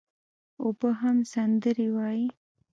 اوبه هم سندري وايي.